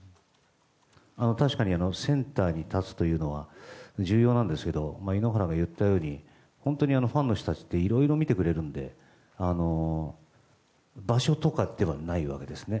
確かにセンターに立つというのは重要なんですけど井ノ原が言ったように本当にファンの人たちっていろいろ見てくれるので場所とかではないわけですね。